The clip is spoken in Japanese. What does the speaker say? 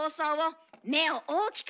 目を大きく。